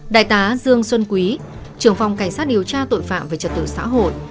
đại tá dương xuân quý trưởng phòng cảnh sát điều tra tội phạm về trật tự xã hội